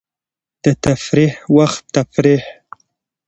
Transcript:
د تفریح وخت تفریح.